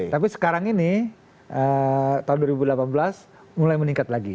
tahun dua ribu delapan belas mulai meningkat lagi